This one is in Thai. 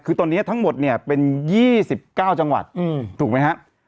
คือตอนนี้ทั้งหมดเป็น๒๙จังหวัดถูกไหมครับ